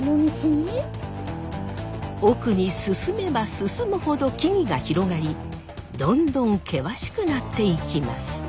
奥に進めば進むほど木々が広がりどんどん険しくなっていきます。